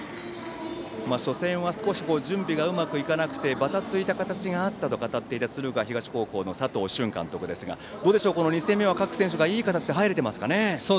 初戦は少し準備がうまくいかなくてばたついた形があったと語っていた鶴岡東高校の佐藤俊監督ですがどうでしょう、２戦目は各選手がいい形で入れてますかね。